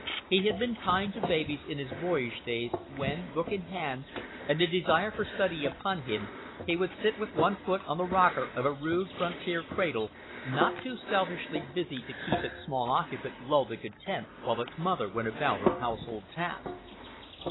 He had been kind to babies in his boyish days, when, book in hand, and the desire for study upon him, he would sit with one foot on the rocker of a rude frontier cradle, not too selfishly busy to keep its small occupant lulled and content, while its mother went about her household tasks.